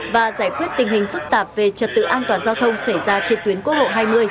và giải quyết tình hình phức tạp về trật tự an toàn giao thông xảy ra trên tuyến quốc lộ hai mươi